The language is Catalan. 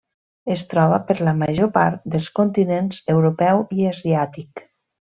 Es troba per la major part dels continents europeu i asiàtic.